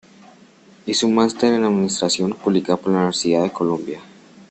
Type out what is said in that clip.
Hizo un máster en Administración Pública por la Universidad de Columbia.